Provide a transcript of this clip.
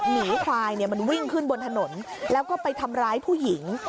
หมีควายมันวิ่งขึ้นบนถนนแล้วก็ไปทำร้ายผู้หญิง